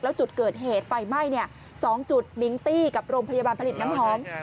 แล้วจุดเกิดเหตุไฟไหม้๒จุดมิงตี้กับโรงพยาบาลผลิตน้ำหอม